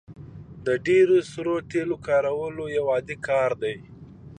د ډیرو سړو تیلو کارول یو عادي کار دی